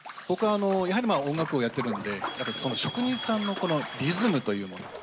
僕はやはり音楽をやってるので職人さんのリズムというもの